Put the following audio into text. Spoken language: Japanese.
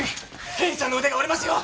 検事さんの腕が折れますよ！